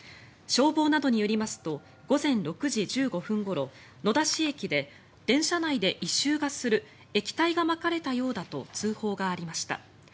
消防などによりますと午前６時１５分ごろ野田市駅で電車内で異臭がする液体がまかれたようだと通報がありました。